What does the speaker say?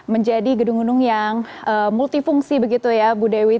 menjadi gedung gedung yang multifungsi begitu ya bu dewi